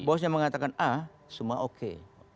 bosnya mengatakan a semua oke